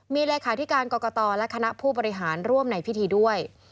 มีเลขาธิการกรกตและคณะผู้บริหารร่วมในพิธีด้วย